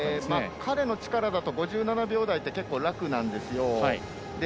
彼の力だと５７秒台って結構、楽なんですよ。